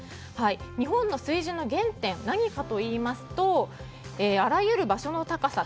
日本の水準の原点は何かといいますとあらゆる場所の高さ